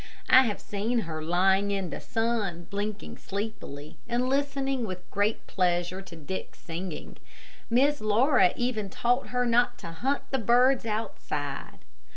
I have seen her lying in the sun, blinking sleepily, and listening with great pleasure to Dick's singing. Miss Laura even taught her not to hunt the birds outside.